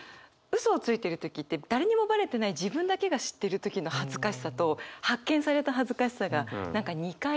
嘘をついてる時って誰にもバレてない自分だけが知ってる時の恥ずかしさと発見された恥ずかしさが何か２回ある気がするので。